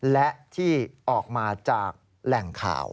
และที่ออกมาจากแหล่งข่าว